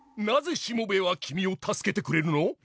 なぜしもべえは君を助けてくれるの？